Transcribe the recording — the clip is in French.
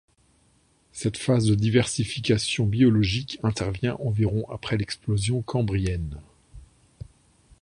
Cette phase de diversification biologique intervient environ après l’explosion cambrienne.